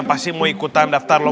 masalah buat lo